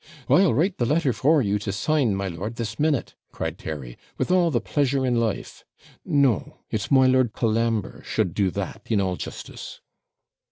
'I'll write the letter for you to sign, my lord, this minute,' cried Terry, 'with all the pleasure in life. No; it's my Lord Colambre should do that in all justice.'